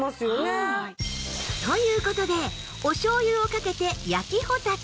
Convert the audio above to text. という事でおしょうゆをかけて焼きほたて